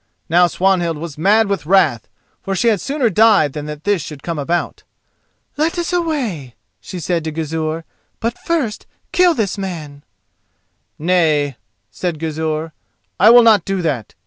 Now Swanhild was mad with wrath, for she had sooner died than that this should come about. "Let us away," she said to Gizur. "But first kill this man." "Nay," said Gizur, "I will not do that.